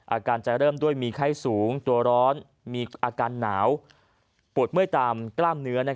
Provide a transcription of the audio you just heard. อาการจะเริ่มด้วยมีไข้สูงตัวร้อนมีอาการหนาวปวดเมื่อยตามกล้ามเนื้อ